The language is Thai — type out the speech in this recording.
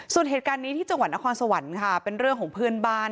ส่วนเหตุการณ์นี้ที่จังหวัดนครสวรรค์ค่ะเป็นเรื่องของเพื่อนบ้าน